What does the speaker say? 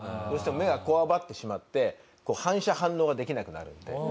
どうしても目がこわばってしまって反射反応ができなくなるんで。